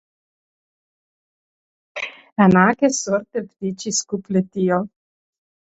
Enake sorte ptiči skup letijo.